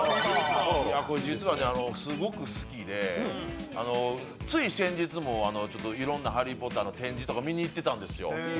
実はすごく好きで、つい先日もいろんな「ハリー・ポッター」の展示とか見にいったんですよ。